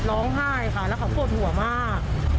ร้องไห้ค่ะแล้วเขาปวดหัวมาก